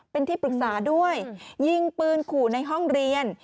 เป็นที่ปรึกษาด้วยยิงปืนขู่ในห้องเรียน